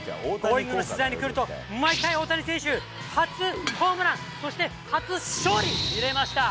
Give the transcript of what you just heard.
Ｇｏｉｎｇ！の取材に来ると、毎回、大谷選手、初ホームラン、そして初勝利、見れました。